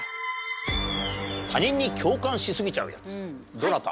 どなた？